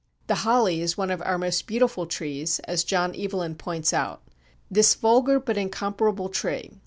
The Holly is one of our most beautiful trees, as John Evelyn points out: "This vulgar but incomparable tree....